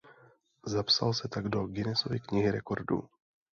Zapsal se tak do Guinnessovy knihy rekordů.